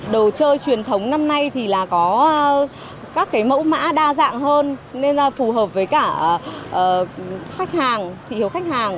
đồ chơi truyền thống năm nay thì là có các cái mẫu mã đa dạng hơn nên là phù hợp với cả khách hàng thị hiếu khách hàng